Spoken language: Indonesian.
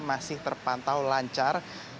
masih terpantau lancar